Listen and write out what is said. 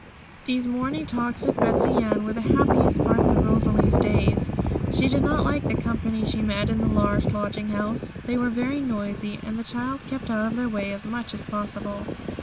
These morning talks with Betsey Ann were the happiest parts of Rosalie's days. She did not like the company she met in the large lodging house; they were very noisy, and the child kept out of their way as much as possible.